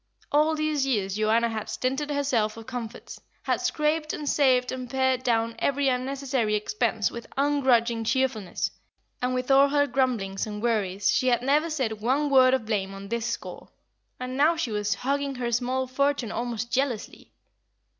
All these years Joanna had stinted herself of comforts, had scraped and saved and pared down every unnecessary expense with ungrudging cheerfulness, and with all her grumblings and worries she had never said one word of blame on this score. And now she was hugging her small fortune almost jealously.